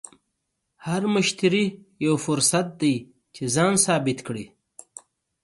هر مشتری یو فرصت دی چې ځان ثابت کړې.